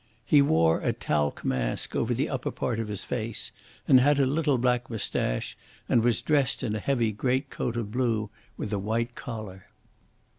"He wore a talc mask over the upper part of his face, and had a little black moustache, and was dressed in a heavy great coat of blue with a white collar."